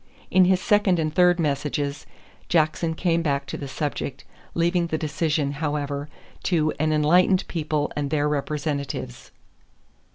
In his second and third messages, Jackson came back to the subject, leaving the decision, however, to "an enlightened people and their representatives."